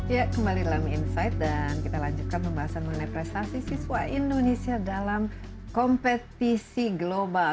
ya kembali dalam insight dan kita lanjutkan pembahasan mengenai prestasi siswa indonesia dalam kompetisi global